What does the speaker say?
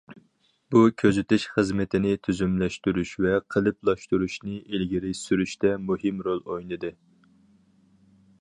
بۇ كۆزىتىش خىزمىتىنى تۈزۈملەشتۈرۈش ۋە قېلىپلاشتۇرۇشنى ئىلگىرى سۈرۈشتە مۇھىم رول ئوينىدى.